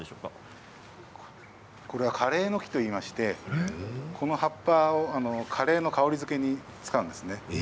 これはカレーの木といいまして葉っぱがカレーの香り付けに使われるんです。